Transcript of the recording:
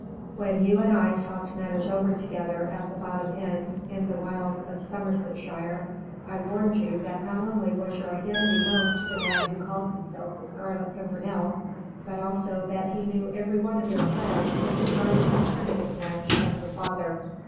When you and I talked matters over together at the Bottom Inn, in the wilds of Somersetshire, I warned you that not only was your identity known to the man who calls himself the Scarlet Pimpernel, but also that he knew every one of your plans with regard to the Kernogan wench and her father.